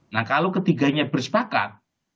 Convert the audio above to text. nah kalau ketiganya bersepakat